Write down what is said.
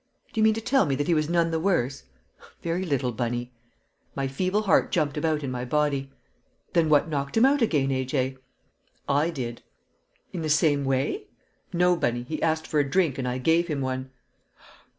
"Do you mean to tell me that he was none the worse?" "Very little, Bunny." My feeble heart jumped about in my body. "Then what knocked him out again, A.J.?" "I did." "In the same way?" "No, Bunny, he asked for a drink and I gave him one."